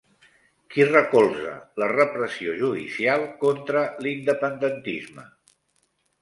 Qui recolza la repressió judicial contra l'independentisme?